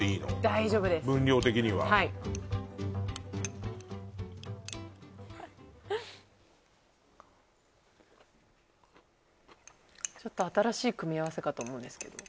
大丈夫です分量的にはちょっと新しい組み合わせかと思うんですけど